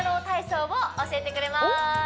体操を教えてくれまーす